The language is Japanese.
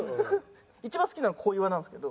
一番好きなの小岩なんですけど。